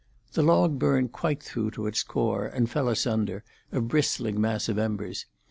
The log burned quite through to its core, and fell asunder, a bristling mass of embers.